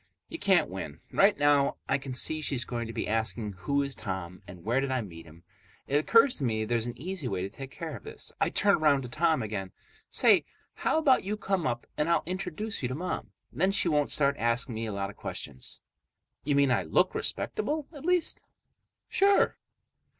You can't win. Right now, I can see she's going to begin asking who is Tom and where did I meet him. It occurs to me there's an easy way to take care of this. I turn around to Tom again. "Say, how about you come up and I'll introduce you to Mom? Then she won't start asking me a lot of questions." "You mean I look respectable, at least?" "Sure."